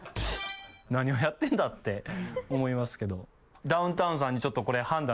何をやってんだって思いますけど。